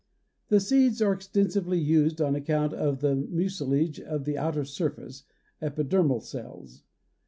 The seeds are extensively used on account of the mucilage of the outer surface (epidermal cells).